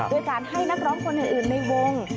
ด้วยการให้นักร้องคนอื่นในวง